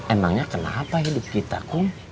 emangnya kenapa hidup kita kok